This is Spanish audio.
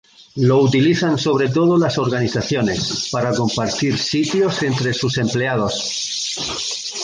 Lo utilizan sobre todo las organizaciones, para compartir sitios entre sus empleados.